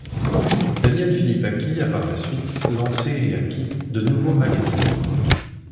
Daniel Filipacchi a, par la suite, lancé et acquis de nouveaux magazines.